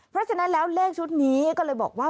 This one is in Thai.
เพราะฉะนั้นแล้วเลขชุดนี้ก็เลยบอกว่า